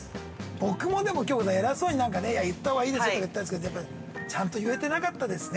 ◆僕も、でも偉そうに、なんかね言ったほうがいいですよとか言ったんですけどちゃんと言えてなかったですね。